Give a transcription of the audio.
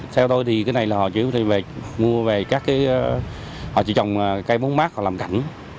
theo tôi họ chỉ trồng cây bốn mát làm cảnh